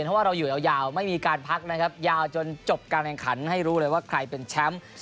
เพราะว่าเราอยู่ยาวไม่มีการพักนะครับยาวจนจบการแข่งขันให้รู้เลยว่าใครเป็นแชมป์